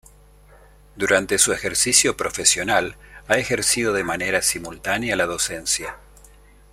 Durante su ejercicio profesional ha ejercido de manera simultánea la docencia.